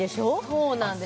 そうなんです